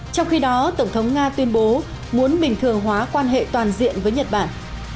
trong khi đó tổng thống nga tuyên bố muốn bình thường hóa quan hệ toàn diện với nhật bản